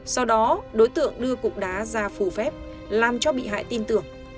sau đó đối tượng đưa cụm đá ra phù phép làm cho bị hại tin tưởng